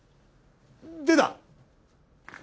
でだ。